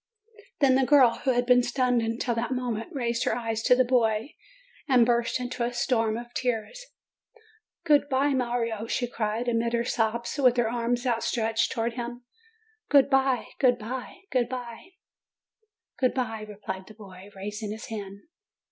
Then the girl, who had been stunned until that mo ment, raised her eyes to the boy, and burst into a storm of tears. "Good bye, Mario!" she cried, amid her sobs, with her arms outstretched towards him. "Good bye! Good bye ! Good bye !" "Good bye!" replied the boy, raising his hand.